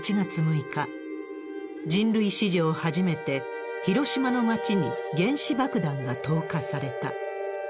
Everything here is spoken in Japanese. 人類史上初めて広島の街に原子爆弾が投下された。